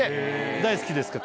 大好きですか？